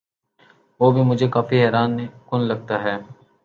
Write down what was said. وہ بھی مجھے کافی حیران کن لگتا ہے۔